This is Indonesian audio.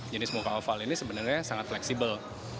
jenis muka oval ini sebenarnya sangat fleksibel